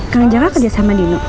kang aja gak kerja sama dino